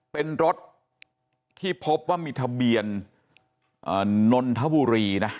เป็นรถที่พบว่ามีทะเบียนนนทบุรีนะ